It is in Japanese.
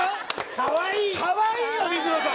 かわいいよ水野さん